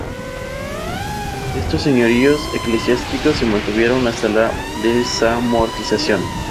Estos señoríos eclesiásticos se mantuvieron hasta la Desamortización.